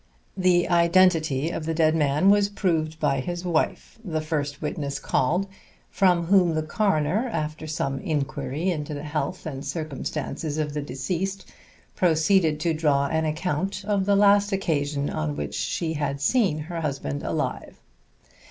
The identity of the dead man was proved by his wife, the first witness called, from whom the coroner, after some inquiry into the health and circumstances of the deceased, proceeded to draw an account of the last occasion on which she had seen her husband alive.